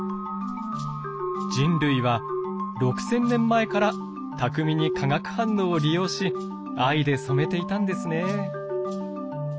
人類は６，０００年前から巧みに化学反応を利用し藍で染めていたんですね。